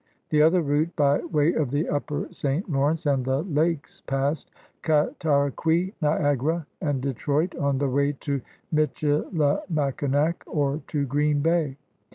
The other route, by way of the upper St. Lawrence and the lakes, passed Cataraqui, Niagara, and Detroit on the way to Michilimackinac or to Green Bay.